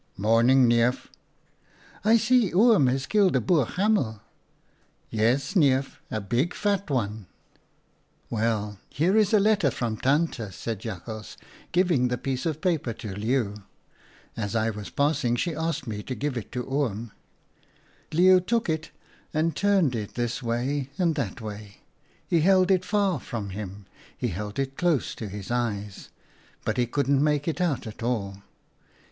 "' Morning, Neef.' "' I see Oom has killed a Boer hamel.' "■ Yes, Neef, a big fat one/ u ' Well, here is a letter from Tante/ said Jakhals, giving the piece of paper to Leeuw. 1 As I was passing she asked me to give it to Oom/ " Leeuw took it and turned it this way, that way. He held it far from him, he held i 4 OUTA KAREL'S STORIES it close to his eyes, but he couldn't make it out at all.